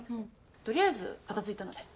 とりあえず片付いたので。